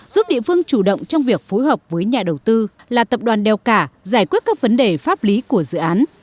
giúp địa phương chủ động trong việc phối hợp với nhà đầu tư là tập đoàn đeo cả giải quyết các vấn đề pháp lý của dự án